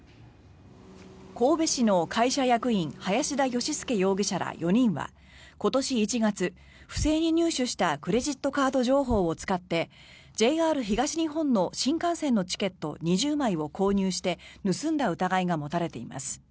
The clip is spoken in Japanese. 神戸市の会社役員林田義介容疑者ら４人は今年１月、不正に入手したクレジットカード情報を使ってＪＲ東日本の新幹線のチケット２０枚を購入して盗んだ疑いが持たれています。